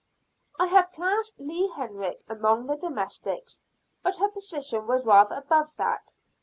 I have classed Leah Herrick among the domestics; but her position was rather above that.